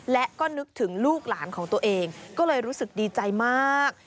และก็นึกถึงลูกหลานของตัวเองก็เลยรู้สึกดีใจมาก